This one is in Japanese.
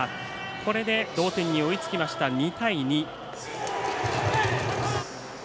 これで同点に追いつきました、２対２。